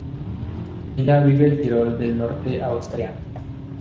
Con ella vive en Tirol del Norte, Austria.